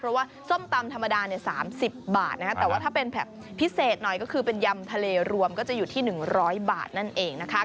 เพราะว่าส้มตำธรรมดา๓๐บาทแต่ว่าถ้าเป็นแบบพิเศษหน่อยก็คือเป็นยำทะเลรวมก็จะอยู่ที่๑๐๐บาทนั่นเองนะคะ